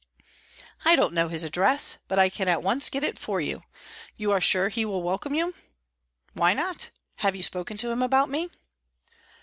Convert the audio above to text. "I don't know his address, but I can at once get it for you. You are sure that he will welcome you?" "Why not? Have you spoken to him about me?"